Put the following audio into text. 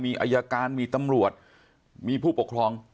มีอายการมีตำรวจมีผู้ปกครอง